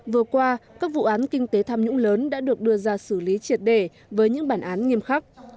vừa qua các vụ án kinh tế tham nhũng lớn đã được đưa ra xử lý triệt đề với những bản án nghiêm khắc